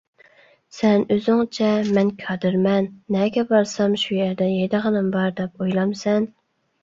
سەن ئۆزۈڭچە مەن كادىرمەن، نەگە بارسام شۇ يەردە يەيدىغىنىم بار دەپ ئويلامسەن؟!